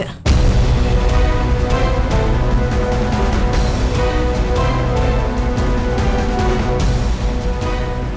aku akan menang